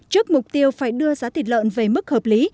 trước mục tiêu phải đưa giá thịt lợn về mức hợp lý